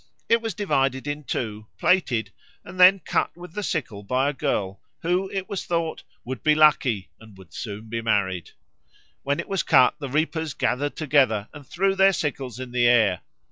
It was divided in two, plaited, and then cut with the sickle by a girl, who, it was thought, would be lucky and would soon be married. When it was cut the reapers gathered together and threw their sickles in the air.